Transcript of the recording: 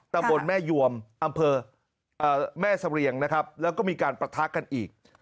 ตำบลแม่ยวมอำเภอแม่เสรียงนะครับแล้วก็มีการประทะกันอีก